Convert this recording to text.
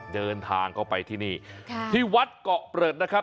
เดินทางเข้าไปที่นี่ที่วัดเกาะเปลือดนะครับ